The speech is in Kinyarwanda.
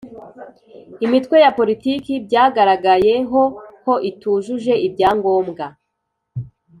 imitwe ya politiki byagaragayeho ko itujuje ibyangombwa